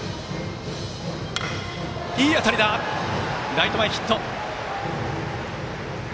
ライト前ヒット。